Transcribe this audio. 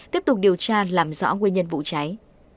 tiếp tục điều tra làm rõ nguyên nhân vụ cháy